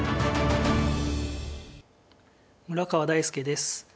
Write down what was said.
村川大介です。